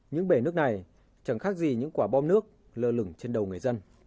những bể nước này chẳng khác gì những quả bom nước lơ lửng trên đầu người dân